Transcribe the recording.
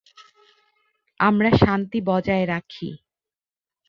আমরা শান্তি বজায় রাখি!